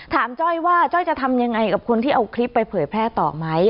จ้อยว่าจ้อยจะทำยังไงกับคนที่เอาคลิปไปเผยแพร่ต่อไหม